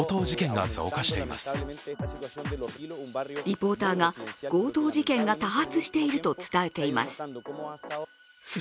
リポーターが強盗事件が多発していると伝えています。